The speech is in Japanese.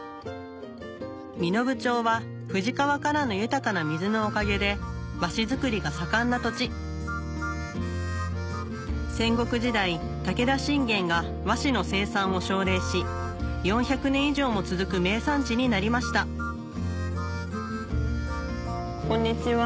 身延町は富士川からの豊かな水のおかげで和紙作りが盛んな土地戦国時代武田信玄が和紙の生産を奨励し４００年以上も続く名産地になりましたこんにちは。